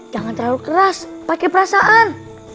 jangan terlalu keras pakai perasaan